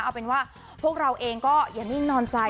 เอาเป็นว่าพวกเราเองก็อย่านิ่งนอนใจ